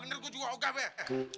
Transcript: bener gue juga uga beh